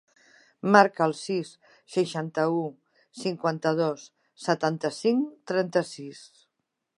Marca el sis, seixanta-u, cinquanta-dos, setanta-cinc, trenta-sis.